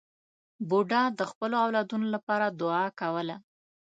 بوډا د خپلو اولادونو لپاره دعا کوله.